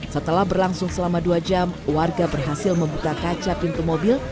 setelah berlangsung selama dua jam warga berhasil membuka kaca pintu mobil